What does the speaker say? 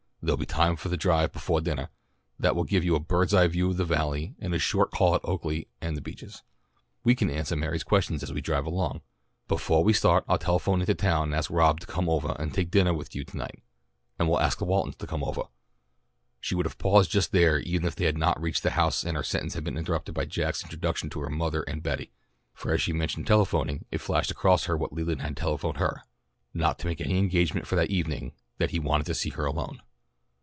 There'll be time for a drive befoah dinnah, that will give you a bird's eye view of the Valley, and a short call at Oaklea and The Beeches. We can ansah Mary's questions as we drive along. Befoah we start I'll telephone in to town and ask Rob to come ovah and take dinnah with you to night, and we'll ask the Waltons to come ovah " She would have paused just there even if they had not reached the house and her sentence been interrupted by Jack's introduction to her mother and Betty, for as she mentioned telephoning it flashed across her what Leland had telephoned her, not to make any engagement for that evening, that he wanted to see her alone.